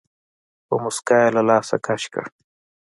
په موسکا يې له لاسه کش کړ.